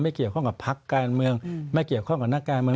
เกี่ยวข้องกับพักการเมืองไม่เกี่ยวข้องกับนักการเมือง